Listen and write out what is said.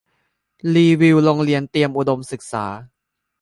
รีวิวโรงเรียนเตรียมอุดมศึกษา